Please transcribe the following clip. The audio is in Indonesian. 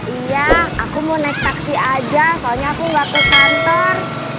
iya aku mau naik taksi aja soalnya aku nggak ke kantor